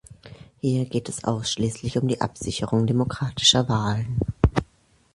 Hier geht es ausschließlich um die Absicherung demokratischer Wahlen.